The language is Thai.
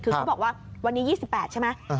คือเขาบอกว่าวันนี้๒๘ใช่ไหม